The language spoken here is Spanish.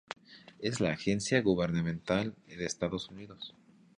Es la agencia gubernamental de Estados Unidos.